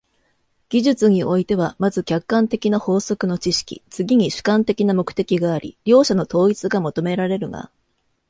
技術においては、まず客観的な法則の知識、次に主観的な目的があり、両者の統一が求められるが、